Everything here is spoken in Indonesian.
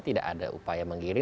tidak ada upaya menggiring